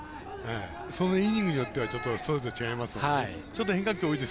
そのイニングによってそれぞれ違いますので。